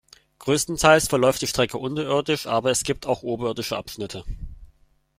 Größtenteils verläuft die Strecke unterirdisch, aber es gibt auch oberirdische Abschnitte.